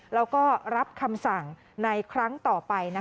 แล้วก็รับคำสั่งในครั้งต่อไป